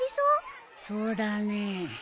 そうだねえ。